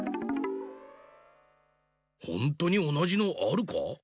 ほんとにおなじのあるか？